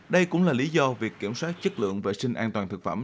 đây cũng là lý do việc kiểm soát chất lượng vệ sinh an toàn thực phẩm